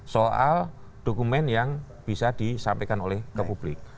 soal dokumen yang bisa disampaikan oleh ke publik